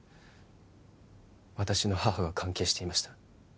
私の母が関係していました